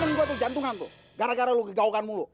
temen gue tuh jantungan tuh gara gara lo kegaukan mulu